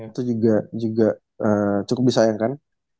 itu juga cukup disayangkan